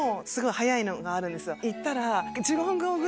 行ったら。